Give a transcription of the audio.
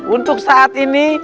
untuk saat ini